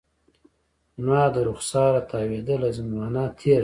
زما د رخساره تاویدله، زمانه تیره ده